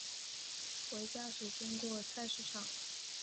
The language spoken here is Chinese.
回家时经过菜市场